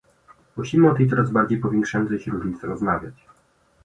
Musimy o tej coraz bardziej powiększającej się różnicy rozmawiać